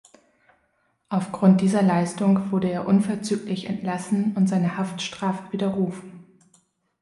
Aufgrund dieser Leistung wurde er unverzüglich entlassen und seine Haftstrafe widerrufen.